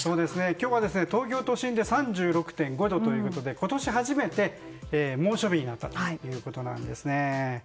今日は東京都心で３６．５度で今年初めて猛暑日になったということなんです。